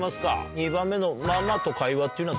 ２番目の「ままと会話」っていうのは？